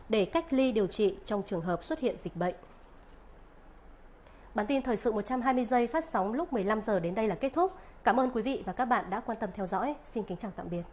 để cách ly điều trị trong trường hợp xuất hiện dịch bệnh